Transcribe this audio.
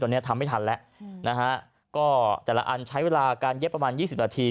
ตอนนี้ทำไม่ทันแล้วนะฮะก็แต่ละอันใช้เวลาการเย็บประมาณยี่สิบนาที